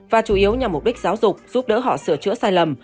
và chủ yếu nhằm mục đích giáo dục giúp đỡ họ sửa chữa sai lầm